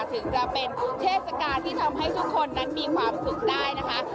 ถึงจะเป็นเทศกาลที่ทำให้ทุกคนนั้นมีความสุขได้นะคะ